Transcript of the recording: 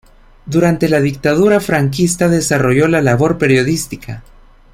Durante la dictadura franquista desarrolló la labor periodística.